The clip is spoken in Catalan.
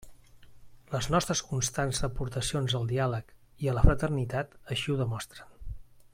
Les nostres constants aportacions al diàleg i a la fraternitat així ho demostren.